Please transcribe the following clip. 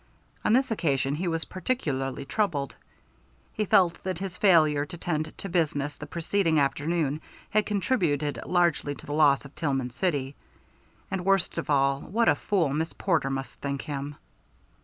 On this occasion he was particularly troubled. He felt that his failure to tend to business the preceding afternoon had contributed largely to the loss of Tillman City; and, worst of all, what a fool Miss Porter must think him.